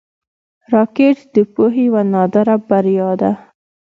راکټ د پوهې یوه نادره بریا ده